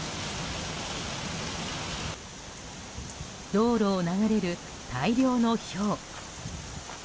道路を流れる大量のひょう。